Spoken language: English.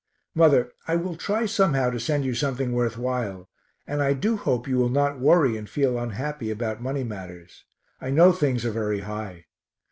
Mother, I will try somehow to send you something worth while, and I do hope you will not worry and feel unhappy about money matters; I know things are very high.